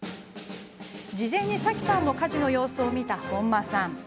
事前に、さきさんの家事の様子を見た本間さん。